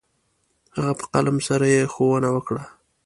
هغه په قلم سره يې ښوونه وكړه.